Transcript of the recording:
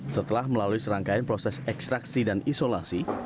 setelah melalui serangkaian proses ekstraksi dan isolasi